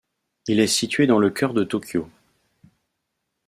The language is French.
Il est situé dans le cœur de Tokyo.